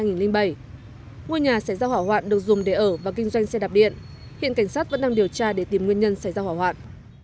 ngôi nhà xảy ra hỏa hoạn được dùng để ở và kinh doanh xe đạp điện hiện cảnh sát vẫn đang điều tra để tìm nguyên nhân xảy ra hỏa hoạn